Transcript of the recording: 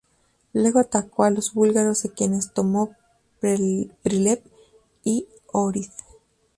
Luego atacó a los búlgaros de quienes tomó Prilep y Ohrid.